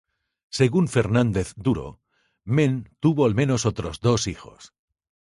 Según Fernández Duro, Men tuvo al menos otros dos hijos.